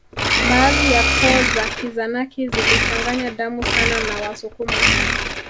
Baadhi ya koo za Kizanaki zilichanganya damu sana na Wasukuma